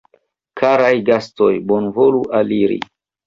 Karaj gastoj, bonvolu aliri!